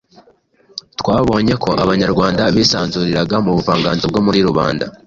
Twabonye ko Abanyarwanda bisanzuriraga mu buvanganzo bwo muri rubanda